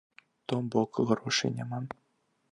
То бок, грошай няма.